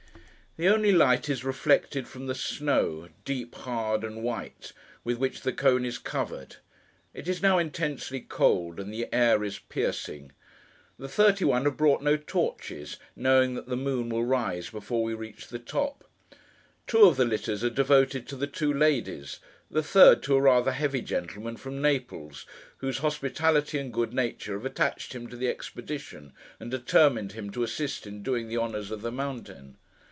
The only light is reflected from the snow, deep, hard, and white, with which the cone is covered. It is now intensely cold, and the air is piercing. The thirty one have brought no torches, knowing that the moon will rise before we reach the top. Two of the litters are devoted to the two ladies; the third, to a rather heavy gentleman from Naples, whose hospitality and good nature have attached him to the expedition, and determined him to assist in doing the honours of the mountain.